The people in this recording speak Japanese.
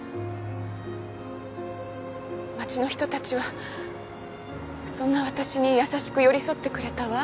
町の人たちはそんな私に優しく寄り添ってくれたわ。